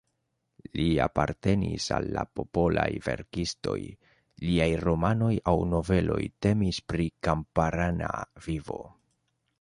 Li apartenis al la popolaj verkistoj, liaj romanoj aŭ noveloj temis pri kamparana vivo.